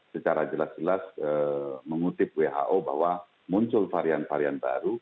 secara jelas jelas mengutip who bahwa muncul varian varian baru